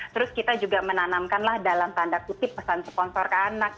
terus kita juga menanamkanlah dalam tanda kutip pesan sponsor ke anak